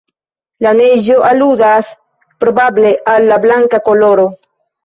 La neĝo aludas probable al la blanka koloro.